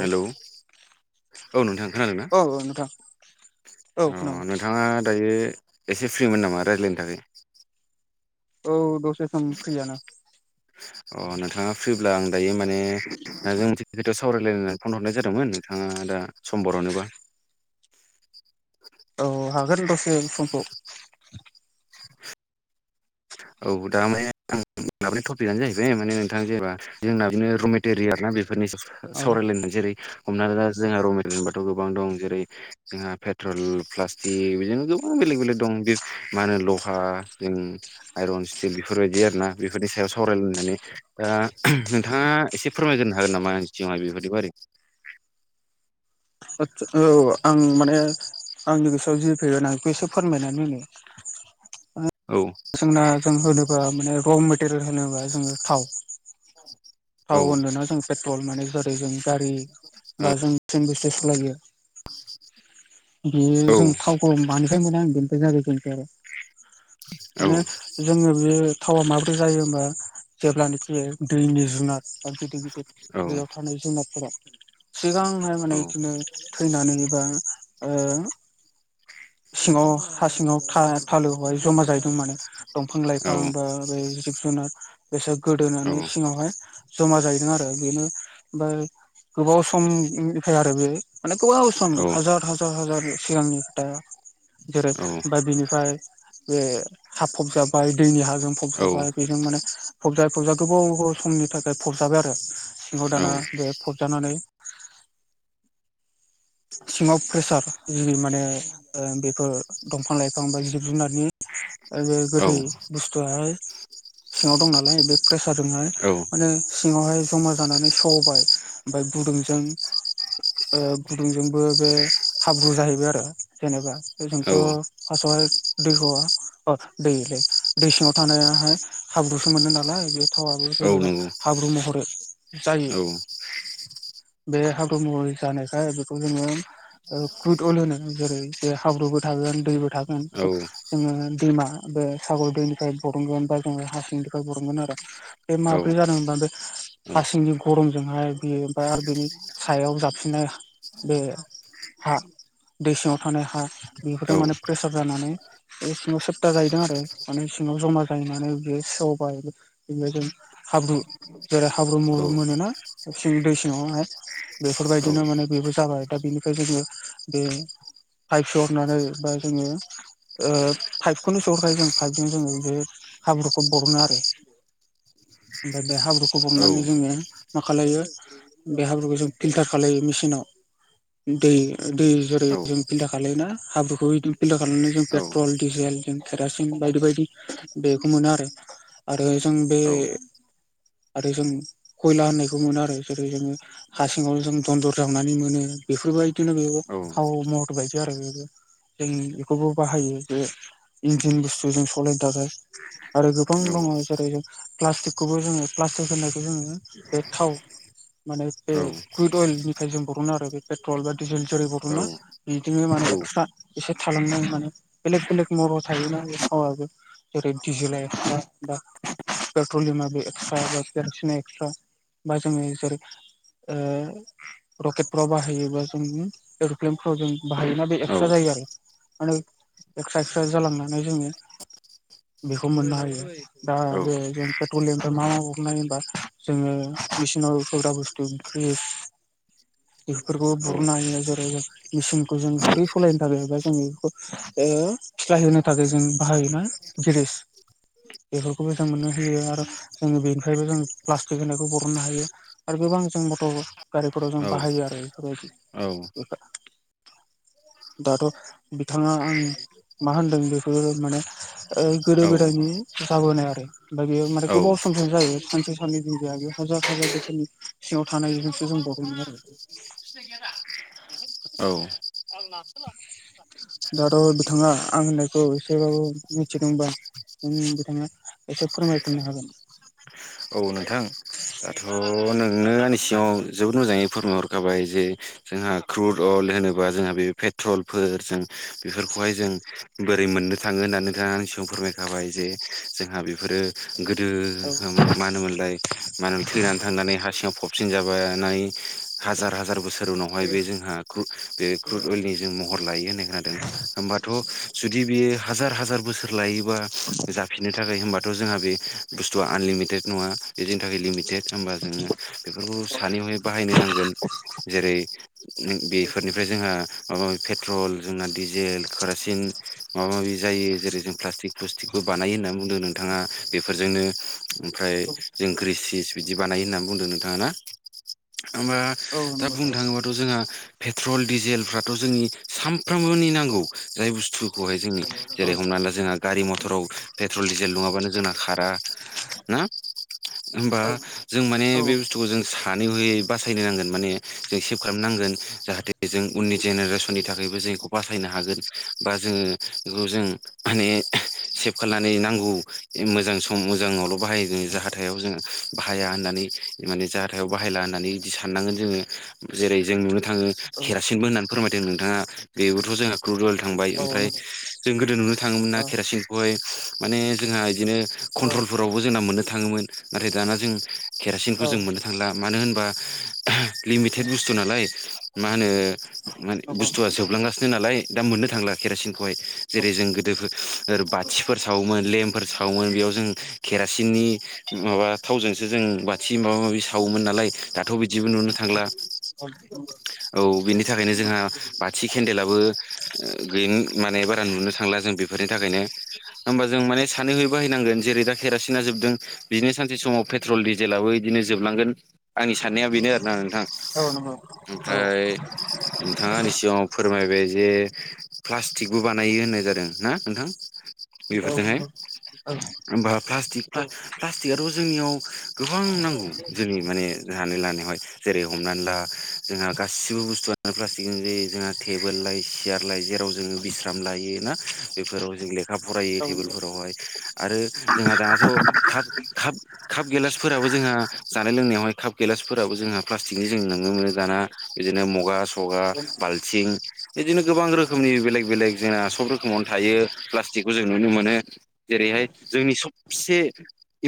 Hello औ नोंथां खोनादों ना? औ औ नोंथां औ खोनादों अह थांङा दायो एसे फ्रिमोन नामा रायज्लायनो थाखाय? औ दसे सम फ्रियानो। अ नोंथांङा फ्रिब्ला आं दायो माने [unintelligible] खेथा सावरायलायनानै फन हरनाय जादोंमोन नोंथांङा दा सम बरनोबा। औ हागोन दसे समखौ। औ दा माने आं लाबोनाय टपिकआनो जाहैबाय माने नोंथां जेनेबा जोंना बिनो र' मेटेरियेल ना बेफोरनि औ सावरायलायनाय जेरै हमनानै दा जोंहा रमेरयान बाथ' गोबां दं जेरै जोंहा पेट्रल प्लास्टिक बिदिनो गोबां बेलेग बेलेग दं। मा होनो लहा जों आइरन स्टिल बेफोरबायदि आरोना बेफोरनि सायाव सावरायलायनानै दा नोंथांङा एसे फोरमायग्रोनो हागोन नामा आंनि सिगांङावहाय बेफोरनि बारै [unintelligible] औ आं माने आंनि गोसोआव जि फैगोन आं बेखौ एसे फोरमायनानै होनि। औ जोंना जों होनोबा माने र' मेटेरियेल होनोबा जोंङो थाव औ थाव होनोना जों टबल माने जेरै जों गारि बा जों [unintelligible] बेयो औ जों थावखौ मानिफ्राय मोनो आं बेनिफ्राय जागायजेनसै आरो। औ मानो जोंङो बे थावा माब्रै जायो होमबा जेब्लानोखि दैनि जुनार [unintelligible] बेद दैयाव थानाय जुनारफोरा सिगांहाय औ माने इदिनो थैनानै बा ओ सिंङाव हा सिंङाव था थालो आव जमा जायो जों माने दंफां औ लाइफां बा बै जिब जुनार बेसोर औ गोदोनानै सिंङावहाय जमा जाहैदों आरो बेनो ओमफ्राय गोबाव सम निफ्राय आरो बे माने गोबाव सम हाजार हाजार हाजार सिगांनि फ्रा जेरै औ ओमफाय बिनिफ्राय बे हा फबजाबाय दैनि हाजों फबजाबाय बेजों माने फबजायै फबजायै गोबाव समनि थाखाय फबजाबाय आरो। सिंङाव दाना बे फबजानानै सिंङाव प्रेसार जि माने ओ बेफोर दंफां लाइफां बा जिब जुनारनि ओ जे गोदै बुस्थुवाहाय सिंङाव दं नालाय बे प्रेसारजोंहाय औ माने सिंङावहाय जमा जानानै सबाय ओमफाय गुदुंजों ओ गुदुंजोंबो बे हाब्रु जाहैबाय आरो जेनेबा जोंथ औ फार्स्टआवहाय दैहआ अ दैलै दै सिंङाव थानायाहाय हाब्रुसो मोनो नालाय बि थावाबो जेनेबा नंगौ हाब्रु महरै जायो औ बे हाब्रु महरै जानायखाय बेखौ जोंङो ओ कुदुल होनो जेरै बे हाब्रुबो थागोन दैबो थागोन औ औ जोङो दैमा बे सागर दैनिफ्राय बरनगोन बा जोङो हा सिंनिफ्राय बरनगोन आरो। बे औ माब्रै जादों [unintelligible] औ हासिंनि गरमजोंहाय बेयो ओम आरो बेनि सायाव जाबसिननाय बे हा दै सिङाव थानाय हा बेफोरजों माने प्रेसार जानानै बे सिङाव सेब्था जाहैदों आरो माने सिङाव जमा जाहैनानै बियो सेवबाय बि जों हाब्रु जेरै हाब्रु मलु मोनोना दै सिङावहाय बेफोरबायदिनो माने बेनिफ्राय जाबाय दा बेनिफ्राय जोङो बे फाइफस हरनानै बा जोङो ओ फाइभखौनो सहरखायो जों फाइभजों जोङो बे हाब्रुखौ बरनो आरो। ओमफ्राय बे हाब्रुखौ बहनानै जोङो मा खालायो? बे हाब्रुखौ जों फिल्टार खालायो मेसिनाव। दै दै जेरै जों फिल्टार खालायोना हाबुखौ फिल्टार खालामनानै जों पेट्रल, डिजेल खेरासिन बायदि बायदि बेखौ मोनो आरो आरो जों बे आरो जों खयला होननायखौ मोनो आरो जेरै जोङो हा सिङाव जों दनदर जा संनानै मोनो बेफोरबायदिनो बेबो थाव महर बायदि आरो बेबो। जों बेखौबो बाहायो जे इन्जिन बुस्थु जों सलायनो थाखाय। आरो गोबां दङ जेरै जों प्लास्टिकखौबो जोङो प्लास्टिक होननायखौ जोङो बे थाव माने बे कुइद अइेलनिफ्राय जों बरना आरो बे पेट्रल बा डिजेल जेरै बरना बिदिनो माने एक्सट्रा एसे थालांनाय माने बेलेक बेलेग महराव थायोना थावाबो। जेरै डिजेला एक्सट्रा बा पेट्रलियामा एक्सट्रा बा केरासिना एक्सट्रा। बा जोङो जेरै ओ रकेटफ्राव बाहायोबा जों एरप्लेनफ्राव जों बाहायोना बे एक्सट्रा जायो आरो। माने एक्स एक्स्रा जालांनानै जोङो बेखौ मोननो हायो। दा बे जों पेट्रलिमफ्राय मा मानाय होनबा? जोङो मेसिनाव होग्रा बसतू तथ्रिस [unintelligible] बेफोरखौबो बरनो हायो जोरै जों मेसिनखौ जों गोखै सालायनो थाखाय एबा जों बेखौ ओ फिसलाय होनो थाखाय जों बाहायोना। गिरिस बेफोरखौबो जों मोननो होयो आरो जों बेनिफ्रायबो जों प्लास्टिक होनायखौ बरननो हायो। आरो गोबां जों मटर गारिफोराव जों बाहायो आरो बेफोरबायदि बेफोर दाथ' बिथाङा आं मा होनदों बेखो माने। गोदो गोदायनि जाबोनाय आरो। ओमफ्राय बेयो माने गोबाव सम सिम जायो सानसे साननै दिन जाया बे हाजार हाजार बोसोरनि सिङाव थानायजोंसो जों बहनगोन। औ। [inaudible] दाथ' बिथाङा आं होननायखौ एसेबाबो मिथिदोंबा। जों बिथाङा एसे फोरमायफिननो हागोन। औ नोंथां। दाथ' नोंनो दानि सिङाव जोबोद मोजाङै फोरमायहरखाबाय जे जोंहा क्रुद अइेल होनोबा जोंहा बेे ट्रलफोर जों बेफोरखौहाय जों बोरै मोननो थाङो होननानै नोंथाङा आंनि सिगाङाव फोरमायखाबाय जे जोंहा बेफोरो गोदो औ मा होनोमोनलाय थैनानै थांनानै हा सिङाव फब जाबानाय हाजार हाजार बोसोर उनावहाय बे जोंहा कु बे क्रुद अइलेलनि जों महर लायो होननाय खोनादों होमबाथ' जुदि बेयो हार हार बोसोर लायो जाफिननो थाखाय होमबाथ जोंहा बे बुस्थुआ आनलिमिटेड नङा बे जोंनि थाखाय लिमिट देक होमबा जोङो बेफोरखौ सानैयावहाय बाहायनो नांगोन जेरै बेफोरनिफ्राय जोंहा माबा पेट्रल जोंना डिजेल खेरासिन माबा माबि जायो जेरै जों प्लास्टिक फुस्टिकबो बानायो होनना बुंदों नोंथाङा बेफोरजोंनो ओमफ्राय जों ग्रिसिस बिदि बानायो होननानै बुंदों नोंथाङा ना माबा औ दा नंगौ बुंनो थाङोबाथ' जोंहा। पेट्रल डिजेलफ्राथ जोंनि सानफ्रोमबोनि नांगौ जाय बुस्थु खौहाय जोंनि औ जेरै हमना ला जोंहा गारि मथराव पेट्रल डिजेल नङाबानो जोंना खारा ना। होमबा औ जों माने औ बे बुस। सानै हयै बासायनो नांगोन माने जों सेभ खालामनांगोन जाहाथे बे जों उननि जेनेरेसननि थाखायबो जों बेखौ बासायनो हागोन बा जोङो बेखौ जों। माने। सेब खालामनानै नांगौ मोजां सम मोजां नावल' बाहायो जों जाहाथायाव जोङो बाहाया होननानै। माने जाहाथायाव बाहायला होननानै बिदि साननांगोन जोङो जेरै जों नुनो थाङो औ केरासिनबो होननानै फोरमायथों नोंथाङा बेबोथ' जोंहा क्रुदेल थांबाय औ ओमफ्राय नंगौ जों गोदो नुनो थाङोमोन ना औ केरासिनखौहाय माने जोंहा बिदिनो औ कन्ट्रलफोर फोरावबो जोंना मोननो थाङोमोन नाथाय दाना जों केरासिनखौ औ जों मोननो थांला मानो होनबा लिमिटेद बुस्थु नालाय मा होनो मान नंगौ बुस्थुआ जोबलांगासिनो नालाय दा मोननो थांला केरासिनखौहाय जेरै जों गोदो बाथिफोर सावोमोन लेम्प फोर सावोमोन बेयाव जों केरासिननि माबा थावजोंसो जों बा माबा माबि सावोमोन नालाय दाथ' बिदिबो नुनो थांला औ औ बिनि थाखायनो जोंहा बाथि केन्देलाबो गैय माने बारा नुनो थांला जों बे बेफोरनि थाखायनो होमबा जों माने सानैहय बाहैनांगोन जेरै दा केरासिना जोबदों बिदिनो सानसे समाव पेट्रल दि जेब्लाबो बिदिनो जोबलांगोन आंनि साननाया बेनो आरोना नोंथां। औ नंगौ औ ओमफ्राय नोंथाङानि सिगाङाव फोरमायबाय जे प्लास्टिकबो बानायो होननाय जादों ना नोंथां औ बेफोरजोंहाय नंगौ होमबा प्लास्टिक औ प्ला प्लास्टिकआथ' जोंनियाव गोबां नांगौ जोंनि माने जानि लानायावहाय जेरै हमनानै ला जोंहा गासिबो बुस्थुआ प्लास्टिक जे जोंहा टेबोल लाय सियार लाय जेराव जोङो बिस्राम लायो ना बेफोराव जों ले कप फरायो औ नंगौ टेबोलफोरावहाय आरो जोंहा दाथ'काप काप काप गेलास फोराबो जोंहा जानाय लोंनायावहाय काप गेलासफोराबो जोंहा प्लास्टिकनि जों नुनो मोनो दाना बिदिनो मुगा सगा बाल्थिं बिदिनो गोबां रोखोमनि बेलेग बेलेग जोंना सब रोखोम मन थायो प्लास्टिकखौ जों नुनो मोनो जेरैहाय जोंनि सबसे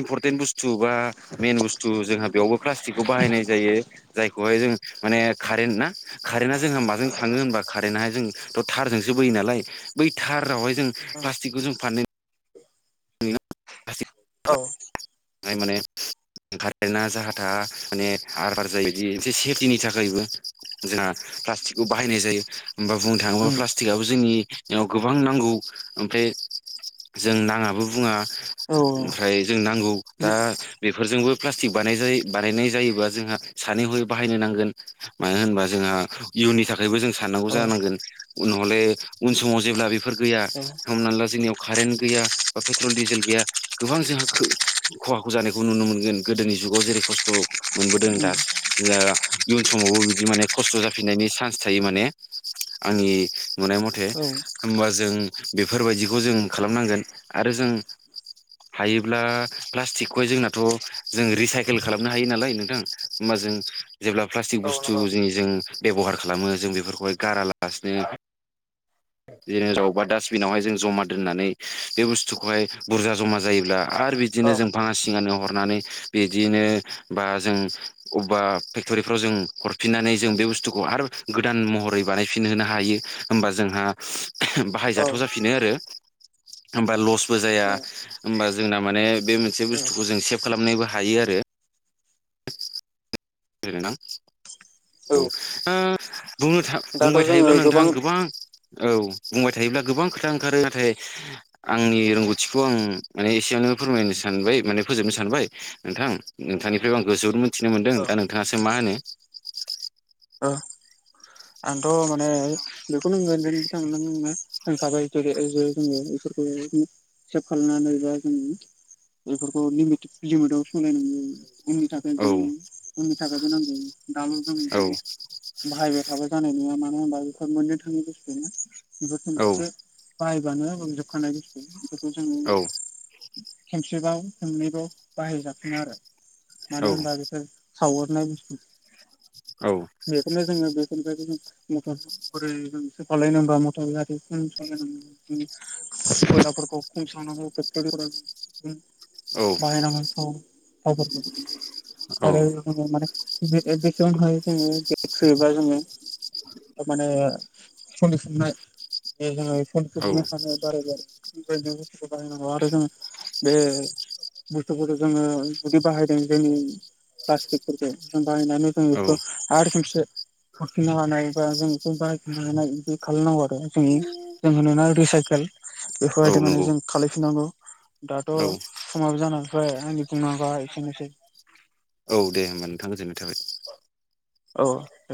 इम्परटेन्ट बुस्थु बा मेइन बुस्थु जोंहा बेयावबो प्लास्टिकखौ बाहायनाय जायो जायखौहाय जों माने कारेन्ट ना कारेन्टआ जोंहा माजों थाङो होनबा कारेन्टाहाय जों थ' थारजोंसो बोयो नालाय बै थारावहाय जों प्लास्टिकखौ जों फान औ [unintelligible] माने कारेन्टआ जाहा थाहा माने हार बार जायोदि एसे सेफटिनि थाखायबो जोंहा प्लास्टिकखौ बाहायनाय जायो होमबा बुंनो थाङोबा उम प्लास्टिकआबो जोंनि याव गोबां नांगौ ओमफ्राय जों नाङाबो बुङा औ ओमफ्राय जों नांगौ दा बेफोरजोंबो प्लास्टिक बाजै बानायनाय जायोबा जोंहा सानै हय बाहायनो नांगोन मानो होनबा जोंहा इयुननि थाखायबो जों साननांगौ औ उम औ जानांगोन उनहले उन समाव जेब्ला बेफोर गैया हमना ला जोंनियाव कारेन्ट गैया बा पेट्रल डिजेल गैया गोबां जोंहा खो खहाखौ जानायखौ नुनो मोनगोन गोदोनि जुगाव जेरै खस्थ' मोनबोदों दासज इयुन समावबो बिदि माने खस्थ' जाफिननायनि चान्स थायो माने आंनि नुनाय मथे होमबा जों बेफोरबायदिखौ जों खालामनांगोन आरो जों हायोब्ला प्लास्टिकखौहाय जोंनाथ' जों रिसाइकेल खालामनो हायो नालाय नोंथां होमबा जों जेब्ला प्लास्टिक बुस्थु नंगौ ज जों बेब'हार खालामो जों बेफोरखौहाय गारालासिनो [inaudible] बिदिनो अबा डास्टबिनावहाय जों जमा दोन्नानै बे बुस्थुखौहाय बुरजा जमा जायोब्ला आरो बिदि बिदिनो औ जों फाङा सिंआनिनो हरनानै बिदिनो बा जों अबेबा फेक्ट'रिफ्राव जों हरफिननानै जों बे बुस्थुखौ आरो गोदान महरै बानायफिनहोनो हायो। होमबा जोंहा बाहायजाथाव उम जाफिनो आरो होमबा लसबो जाया उम होमबा जोंना माने बे मोनसे बुस्थुखौ जों सेभ खालामनायबो हायो आरो। रोना। औ ओ बुंनो था दाथ' बुंबाय जोङो थायोब्ला नोंथाङा गोबां औ बुंबाय थायोब्ला गोबां खोथा ओंखारो नाथाय आंनि रोंगौथिखौ आं माने एसेयावनो फोरमायनो सानबाय माने फोजोबनो सानबाय नोंथां। नोंथांनिफ्राय आं गोजोबोद मोनथिनो मोनदों दा नोंथाङासो मा होनो आंथ' माने बेखौ नोंथ नङो थांखाबाय जोङो बेफोरखौ सेभ खालामनानै बा जों बेफोरखौ लिमिट लिमिदाव सोलायनांगौ नोंथां। औ आंनि थाखायबो नांगोन औ नोंथांमोननिथिं बाहायबाय थाबा जानाय नङा मानो होनबा बेफोर मोननो थाङि बुसथु। बे औ खनसे बाहायबानो जोबखानाय बुस्थु बेफोरखौ जों औ खोमसेबाव सोंनैबाव बाहाय जाफिना आरो औ मानो होनबा बेफोर सावरनाय बुस्थु। औ बेफोरनो जोङो बेफोरनिफ्राय जों म सलाय नांगौ गारि सलाय फोरखौ फंसेयावनो बाहायनांगोनथ गावबो आरो माने [unintelligible] जोङो माने सनदे सोबनाय सनदे औ सोबनो सानो। ओमफाय जों बे बुस्थुखौ बानाय नांगौ आरो जों बे बुस्थुफोरखौ जोङो जुदि बाहायदों जोंनि प्लास्टिकफोरखौ जों बाहायनानै औ जोङो आरो खमसे हरफिननो हानाय बा जों बेखौ बारायफिननो हानाय बिदि खालामनांगौ आरो जोंनि जों होनोना रिसाइकेल औ बेफोरबायदि माने नंगौ जों खालामफिननांगौ। दाथ' औ समाबो जानानै फैबाय आंनि बुंनांगौआ एसेनोसै। औ दे नोंथां गोजोननाय थाबाय। औ दे